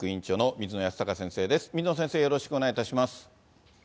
水野先生、よろしくお願いします。